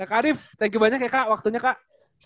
kak arief thank you banyak ya kak waktunya kak